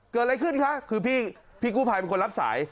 เกิดอะไรขึ้นคะคือพี่กู้ภัยเป็นคนรับสาย